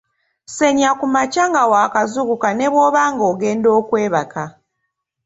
Senya ku makya nga wakazuukuka ne bw'oba nga ogenda okwebaka.